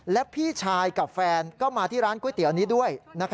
และพี่ชายกับแฟนก็มาที่ร้านก๋วยเตี๋ยวนี้ด้วย